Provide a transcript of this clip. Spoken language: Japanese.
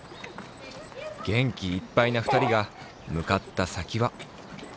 げんきいっぱいな２人がむかった先は。